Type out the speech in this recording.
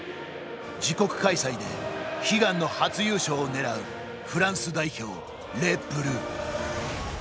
自国開催で悲願の初優勝を狙うフランス代表、レ・ブルー。